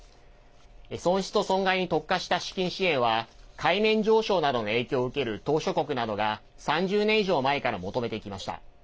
損失と損害に特化した資金支援は海面上昇などの影響を受ける島しょ国などが３０年以上前から求めてきました。